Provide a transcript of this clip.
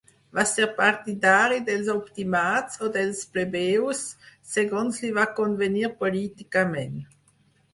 Va ser partidari dels optimats o dels plebeus, segons li va convenir políticament.